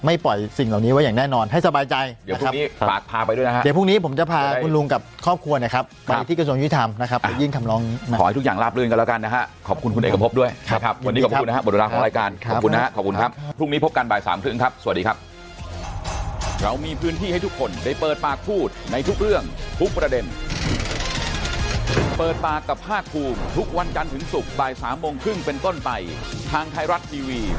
ไม่ปล่อยสิ่งเหล่านี้ไว้อย่างแน่นอนให้สบายใจนะครับ